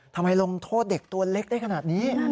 ลงโทษเด็กตัวเล็กได้ขนาดนี้